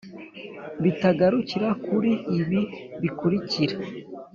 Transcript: bitagarukira kuri ibi bikurikira